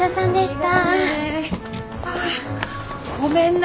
ああごめんな。